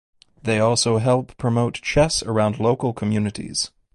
They also help promote chess around local communities.